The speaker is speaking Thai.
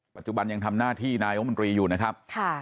ปัจจุบันยังทำหน้าที่นายกมนตรีอยู่นะครับ